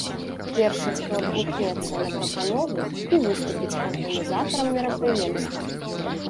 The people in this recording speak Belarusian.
Першы, хто адгукнецца на прапанову, і выступіць арганізатарам мерапрыемства.